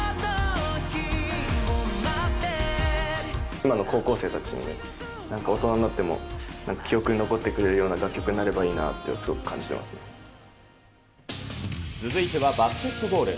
今の高校生たちに、なんか大人になっても、記憶に残ってくれるような楽曲になればい続いてはバスケットボール。